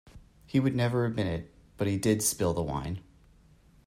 He would never admit it, but he did spill the wine.